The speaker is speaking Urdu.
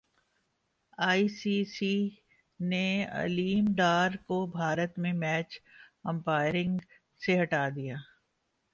ائی سی سی نے علیم ڈار کو بھارت میں میچ امپائرنگ سے ہٹا دیا